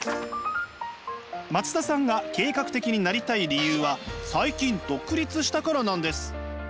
松田さんが計画的になりたい理由は最近独立したからなんです。